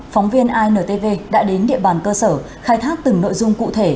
phóng viên intv đã đến địa bàn cơ sở khai thác từng nội dung cụ thể